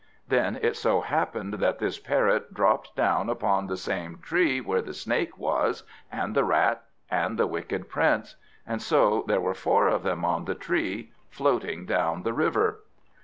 Then it so happened that this Parrot dropped down upon the same tree where the Snake was, and the Rat, and the Wicked Prince; and so there were four of them on the tree, floating down the river.